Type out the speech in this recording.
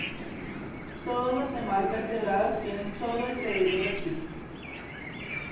Todos los demás vertebrados tienen sólo el cerebro reptil.